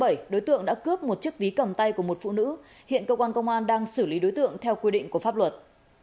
trong ngày một mươi tháng bảy đối tượng đã cướp một chiếc ví cầm tay của một phụ nữ hiện cơ quan công an đang xử lý đối tượng theo quy định của pháp luật